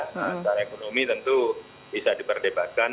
secara ekonomi tentu bisa diperdebatkan